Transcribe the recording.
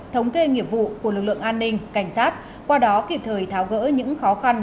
thống kê nghiệp vụ của lực lượng an ninh cảnh sát qua đó kịp thời tháo gỡ những khó khăn